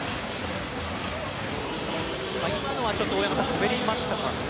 今のは、大山さんちょっと滑りましたかね。